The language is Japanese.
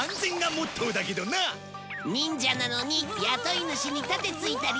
忍者なのに雇い主に盾突いたりさ